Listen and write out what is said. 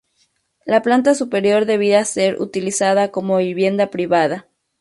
La planta superior debía ser utilizada como vivienda privada.